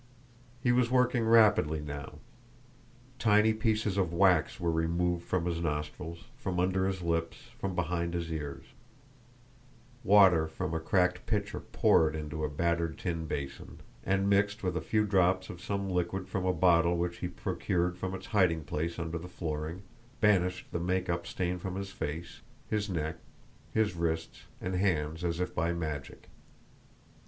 He was working rapidly now. Tiny pieces of wax were removed from his nostrils, from under his lips, from behind his ears; water from a cracked pitcher poured into a battered tin basin, and mixed with a few drops of some liquid from a bottle which he procured from its hiding place under the flooring, banished the make up stain from his face, his neck, his wrists, and hands as if by magic.